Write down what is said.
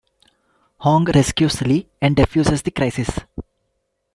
Hong rescues Lee and defuses the crisis.